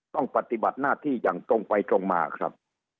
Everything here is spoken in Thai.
ต้องปฏิบัติหน้าที่อย่างตรงไปตรงมาครับ